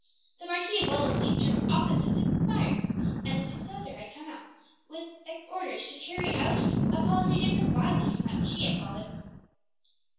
The Marquis of Wellesley's term of office had expired, and a successor had come out, with orders to carry out a policy differing widely from that which he had followed.